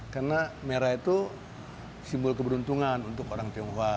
karena merah itu simbol keberuntungan untuk orang tionghoa